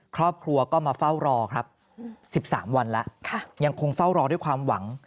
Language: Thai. ครอบครัวก็มาเฝ้ารอครับ๑๓วันแล้วยังคงเฝ้ารอด้วยความหวัง